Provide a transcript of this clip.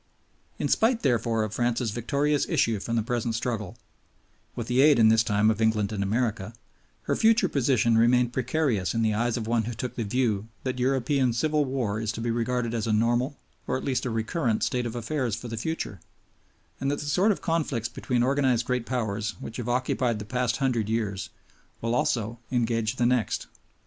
In spite, therefore, of France's victorious issue from the present struggle (with the aid, this time, of England and America), her future position remained precarious in the eyes of one who took the view that European civil war is to be regarded as a normal, or at least a recurrent, state of affairs for the future, and that the sort of conflicts between organized great powers which have occupied the past hundred years will also engage the next.